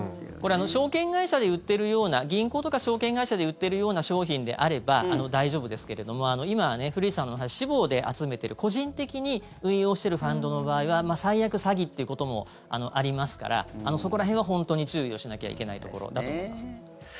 証券会社で売ってるような銀行とか証券会社で売ってるような商品であれば大丈夫ですけれども今、古市さんのお話私募で集めてる個人的に運用しているファンドの場合は最悪、詐欺っていうこともありますからそこら辺は本当に、注意をしなきゃいけないところだと思います。